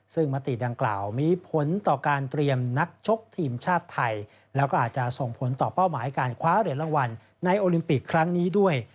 ซึ่งมติดังกล่าวมีผลต่อการเตรียมนักชกทีมชาติไทยแล้วก็อาจจะส่งผลต่อเป้าหมายการคว้าเหรียญรางวัลในโอลิมปิกครั้งนี้ด้วย